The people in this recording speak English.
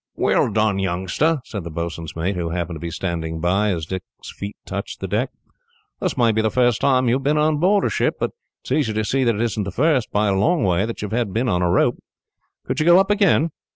"Well done, youngster," said the boatswain's mate, who happened to be standing by, as Dick's feet touched the deck. "This may be the first time you have been on board a ship, but it is easy to see that it isn't the first, by a long way, that you have been on a rope. Could you go up again?"